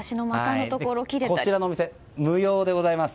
こちらのお店無料でございます。